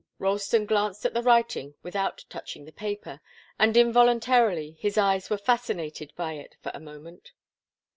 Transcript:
Ralston glanced at the writing without touching the paper, and involuntarily his eyes were fascinated by it for a moment.